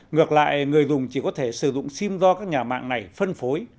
ngược lại người dùng chỉ có thể sử dụng sim do các nhà mạng này phân phối